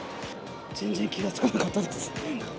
全然気が付かなかったです。